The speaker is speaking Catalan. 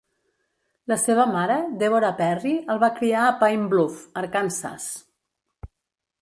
La seva mare, Deborah Perry, el va criar a Pine Bluff, Arkansas.